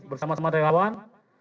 bersama sama dari lawan